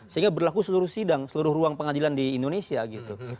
sehingga berlaku seluruh sidang seluruh ruang pengadilan di indonesia gitu